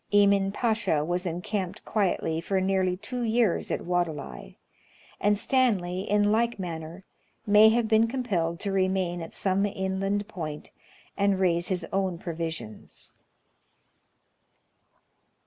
Emin Pacha was encamped quietly for nearly two years at Wadelai ; and Stanley, in like manner, may have been compelled to remain at some inland point and raise his own provisions.